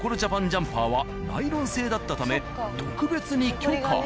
ジャンパーはナイロン製だったため特別に許可。